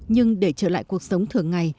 nhưng để trở lại cuộc sống thường ngày